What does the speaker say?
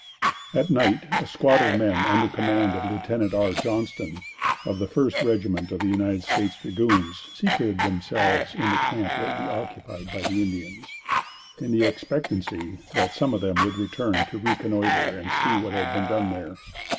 At night, a squad of men under command of Lieutenant R. Johnston, of the First Regiment of United States Dragoons, secreted themselves in the camp lately occupied by the Indians, in the expectancy that some of them would return to reconnoitre and see what had been done there.